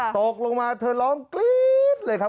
ตกลงมาเธอร้องกรี๊ดเลยครับ